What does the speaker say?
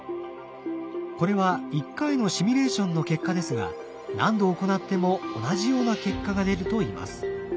これは１回のシミュレーションの結果ですが何度行っても同じような結果が出るといいます。